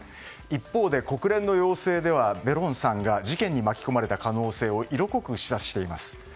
一方で国連の要請ではベロンさんが事件に巻き込まれたと色濃く示唆しています。